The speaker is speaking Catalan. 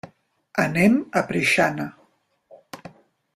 Anem a Preixana.